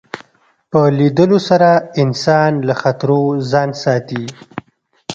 په لیدلو سره انسان له خطرو ځان ساتي